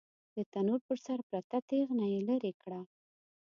د تنور پر سر پرته تېغنه يې ليرې کړه.